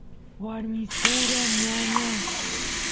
warmispura ñaña